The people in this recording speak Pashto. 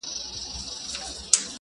بې حیا یم، بې شرفه په وطن کي،